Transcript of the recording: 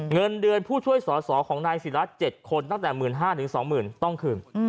เงินเดือนผู้ช่วยสอสอของนายศิรัตน์๗คนตั้งแต่๑๕๐๐๒๐๐๐ต้องคืน